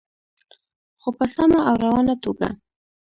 خو په سمه او روانه توګه.